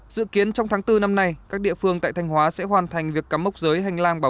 dự kiến trong tháng bốn năm nay các địa phương tại thanh hóa sẽ hoàn thành việc cắm mốc giới hành lang